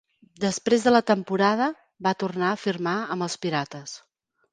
Després de la temporada, va tornar a firmar amb els pirates.